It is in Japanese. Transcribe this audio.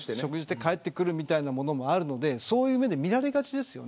夜食事をして帰ってくるみたいなものもあるのでそういう目で見られがちです。